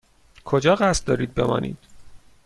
کجا قصد دارید بمانید؟